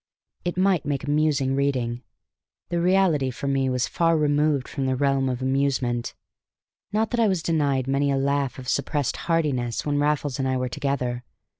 It might make amusing reading; the reality for me was far removed from the realm of amusement. Not that I was denied many a laugh of suppressed heartiness when Raffles and I were together.